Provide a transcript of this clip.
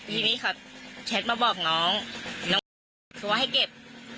ทีนี้เขาแชทมาบอกน้องน้องคือว่าให้เก็บ